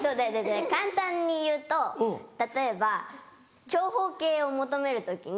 簡単に言うと例えば長方形を求める時に。